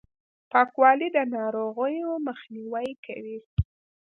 پاکوالي، د ناروغیو مخنیوی کوي.